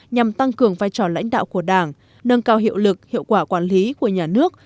nhằm tăng cường vai trò lãnh đạo của đảng nâng cao hiệu lực hiệu quả quản lý của nhà nước